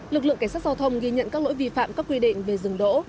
lực lượng cảnh sát giao thông ghi nhận các lỗi vi phạm các quy định về dừng đỗ